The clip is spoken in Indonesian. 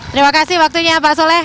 terima kasih waktunya pak soleh